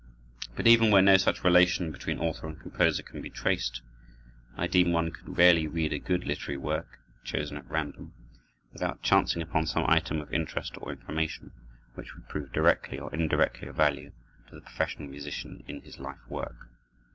But even where no such relation between author and composer can be traced, I deem one could rarely read a good literary work, chosen at random, without chancing upon some item of interest or information, which would prove directly or indirectly of value to the professional musician in his life work.